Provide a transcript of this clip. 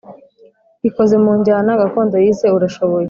ikoze mu njyana gakondo yise Urashoboye